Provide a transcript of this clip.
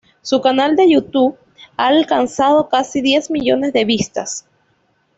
Su canal de YouTube ha alcanzado casi diez millones de vistas.